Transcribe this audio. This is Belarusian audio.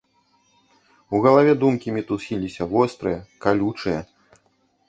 У галаве думкі мітусіліся, вострыя, калючыя.